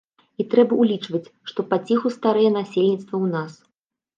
І трэба ўлічваць, што паціху старэе насельніцтва ў нас.